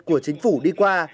của chính phủ đi qua